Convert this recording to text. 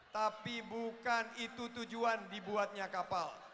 tapi bukan itu tujuan dibuatnya kapal